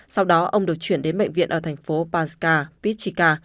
sau đó ông được chuyển đến bệnh viện ở thành phố paska pichica